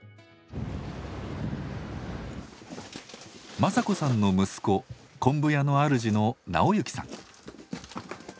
正子さんの息子昆布屋のあるじの直之さん。